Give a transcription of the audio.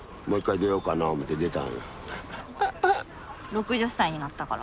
６０歳になったから？